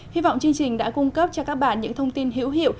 hy vọng chương trình đã cung cấp cho các bạn những thông tin hữu hiệu